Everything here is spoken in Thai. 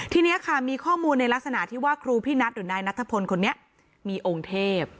ทีนี้ค่ะมีข้อมูลในลักษณะที่ว่าครูพี่นัทหรือนายนัทพลคนนี้มีองค์เทพ